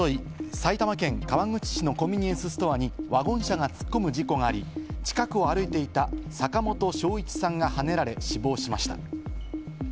埼玉県川口市のコンビニエンスストアに、ワゴン車が突っ込む事故があり、近くを歩いていた坂本正一さんがはねられ、死亡しました。